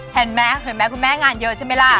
เห็นมั้ยเห็นมั้ยคุณแม่งานเยอะใช่มั้ยล่ะ